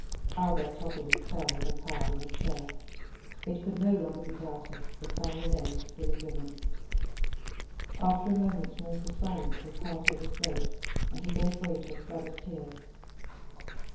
Albert tottered and fell overpowered in a chair. It could no longer be doubted; the family name was fully given. After a moment's mournful silence, his heart overflowed, and he gave way to a flood of tears.